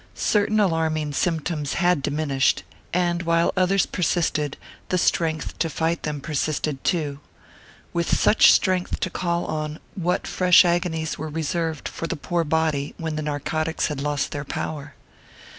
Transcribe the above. Certain alarming symptoms had diminished, and while others persisted, the strength to fight them persisted too. With such strength to call on, what fresh agonies were reserved for the poor body when the narcotics had lost their power?